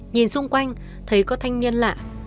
nhìn xung quanh thấy có thanh niên lạ